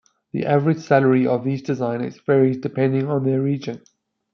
The average salary of these designers varies depending on their region.